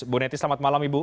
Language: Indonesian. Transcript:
buneti selamat malam ibu